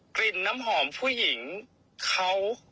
กลิ่นน้ำหอมผู้หญิงเขา